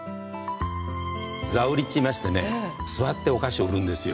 座売りっていいましてね座ってお菓子を売るんですよ。